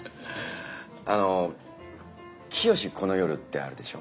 あの「きよしこの夜」ってあるでしょ？